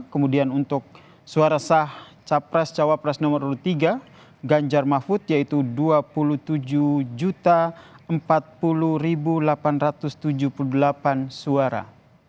kemudian untuk suara sah capres cawapres nomor tiga ganjar mahfud yaitu dua puluh tujuh empat puluh delapan ratus tujuh puluh delapan suara